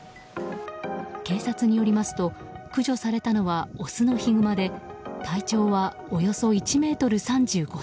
警察によりますと駆除されたのはオスのヒグマで体長はおよそ１ｍ３５ｃｍ。